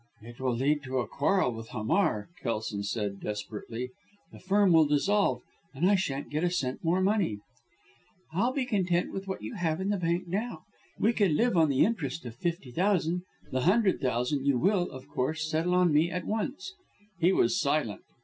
"It will lead to a quarrel with Hamar," Kelson said desperately. "The Firm will dissolve and I shan't get a cent more money." "I'll be content with what you have in the bank now. We can live on the interest of fifty thousand. The hundred thousand you will, of course, settle on me at once." He was silent.